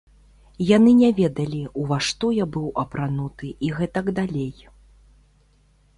Яны не ведалі, ува што я быў апрануты і гэтак далей.